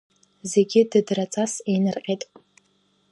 Зегьы дыдраҵас еинырҟьеит.